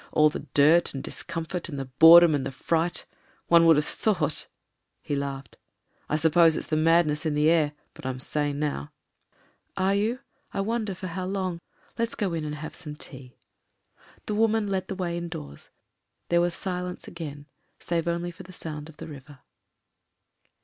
All the dirt and discomfort, and the boredom and the fright — one would have thought ..." He laughed. "I suppose it's the mad ness in the air. But I'm sane now." "Are you? I wonder for how long. Let's go in and have some tea." The woman led the way indoors ; there was silence again save only for the sound of the river.